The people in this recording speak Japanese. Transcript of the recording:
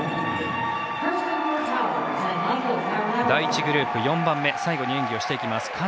第１グループ、４番目最後の演技をしていきます。